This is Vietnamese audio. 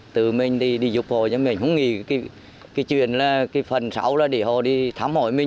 từ mình đi dục hồ cho mình không nghĩ cái chuyện là cái phần sáu là để hồ đi thăm hỏi mình